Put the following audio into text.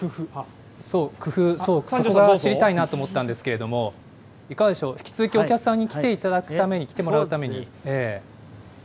工夫、そこが知りたいなと思ったんですけれども、いかがでしょう、引き続きお客さんに来ていただくために、来てもらうために。